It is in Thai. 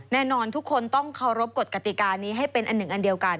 แน่นอนทุกคนต้องเคารพกฎกติกานี้ให้เป็นอันหนึ่งอันเดียวกัน